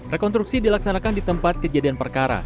rekonstruksi dilaksanakan di tempat kejadian perkara